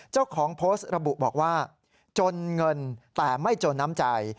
เจ้าของโพสต์ระบุบอกว่าจนเงินแต่ไม่จนน้ำใจ